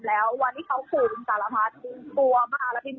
แต่ว่าเมื่อวานนี้เขายิ่งกล้ามาทำที่คลินิกสินธรรมชีวิต